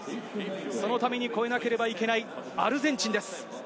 そのために越えなければいけないアルゼンチンです。